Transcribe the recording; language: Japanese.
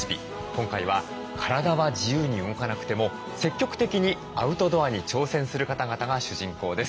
今回は体は自由に動かなくても積極的にアウトドアに挑戦する方々が主人公です。